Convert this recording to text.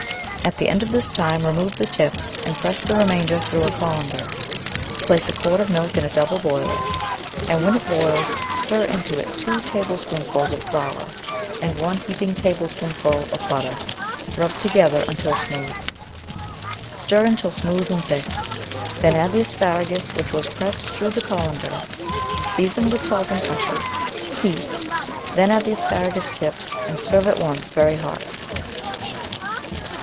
At the end of this time remove the tips and press the remainder through a colan der. Place a quart of milk in a double boiler, and when it boils stir into it two tablespoonfuls of flour and one heaping tablespoonful of butter rubbed together until smooth. Stir until smooth and thick; then add the asparagus which was pressed through the colander, season with salt and pepper, heat, then add the asparagus tips, and serve at once very hot.